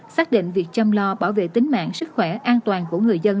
xác định việc chăm lo bảo vệ tính mạng sức khỏe an toàn của người dân